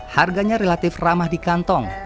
harganya relatif ramah di kantong